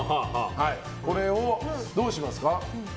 これをどうしますか？